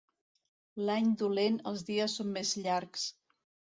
L'any dolent els dies són més llargs.